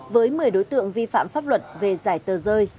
với một mươi đối tượng vi phạm pháp luật về giải tờ rơi